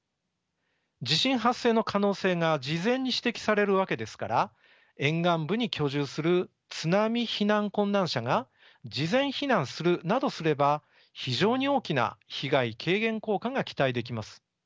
地震発生の可能性が事前に指摘されるわけですから沿岸部に居住する津波避難困難者が事前避難するなどすれば非常に大きな被害軽減効果が期待できます。